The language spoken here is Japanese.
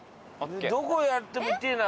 どこやっても痛えな。